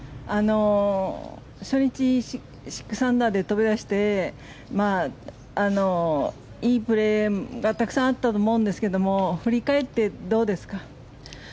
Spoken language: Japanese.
初日６アンダーで飛び出していいプレーがたくさんあったと思うんですけれども振り返って、どうですか？